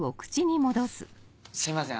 すいません